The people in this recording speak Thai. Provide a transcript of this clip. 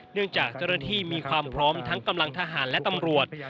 เนื่องจากเจริญที่มีความพร้อมทั้งกำลังทหารและตำรวจ